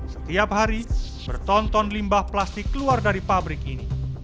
setiap hari bertonton limbah plastik keluar dari pabrik ini